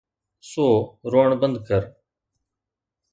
سو روئڻ بند ڪر.